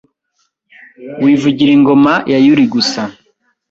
Wivugira ingoma ya yuli gusa